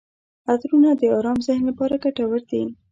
عطرونه د ارام ذهن لپاره ګټور دي.